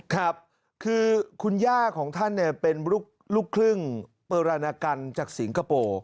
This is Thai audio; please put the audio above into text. ครับคือคุณย่าของท่านเป็นลูกครึ่งปรณกันจากสิงคโปร์